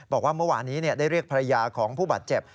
บอกว่าเมื่อวานี้ได้เรียกภรรยาของผู้บาดเจ็บ